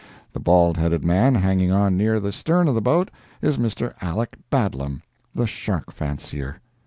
The bald headed man hanging on near the stern of the boat, is Mr. Aleck Badlam, the shark fancier.